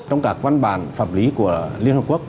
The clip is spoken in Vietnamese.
trong các văn bản pháp lý của liên hợp quốc